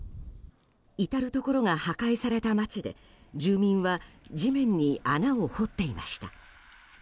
至るところが破壊された街で住民は地面に穴を掘っていました。